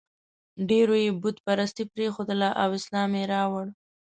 ډېرو یې بت پرستي پرېښودله او اسلام یې راوړ.